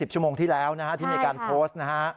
ชั่วโมงที่แล้วที่มีการโพสต์นะฮะ